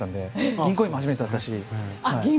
銀行員も初めてだったし。